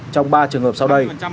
trong ba trường hợp sau đây